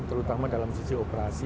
terutama dalam sisi operasi